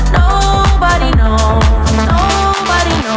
ทอดอะไรอย่าเมื่อกเอิด